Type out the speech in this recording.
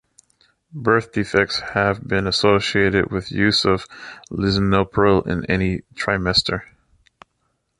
Birth defects have been associated with use of lisinopril in any trimester.